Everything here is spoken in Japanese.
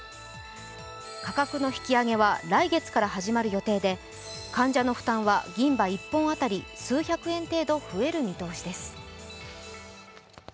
価格の引き上げは来月から始まる予定で、患者の負担は銀歯１本当たり数百円程度増える見通しです。